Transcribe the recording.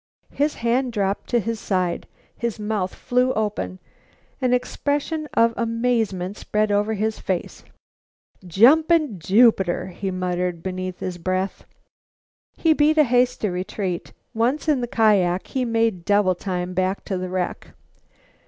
His hand dropped to his side; his mouth flew open. An expression of amazement spread over his face. "Jumpin' Jupiter!" he muttered beneath his breath. He beat a hasty retreat. Once in his kiak he made double time back to the wreck.